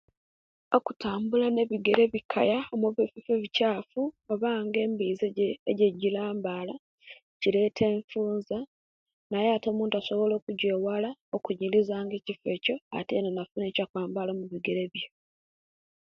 Okutambula ne ebigere ebikaya ebikyafu oba nga embizi eje ojejirambara kireta empuuza naye ate omuntu asobola okujewala okunyirizia ekkifo ekyo ate yena nafuna ekyo kwambala mubigere bye